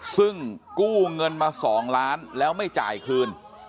ซึ่งกู้เงินมา๒ล้านแล้วไม่จ่ายคืน